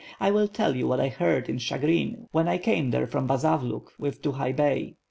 "I will tell you what I heard in Chigrin, when I came there from Bazavluk with Tukhay Bey.